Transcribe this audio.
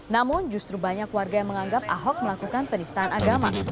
namun justru banyak warga yang menganggap ahok melakukan penistaan agama